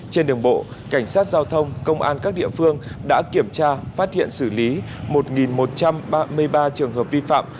trên đường bộ cảnh sát giao thông công an các địa phương đã kiểm tra phát hiện xử lý một một trăm ba mươi ba trường hợp vi phạm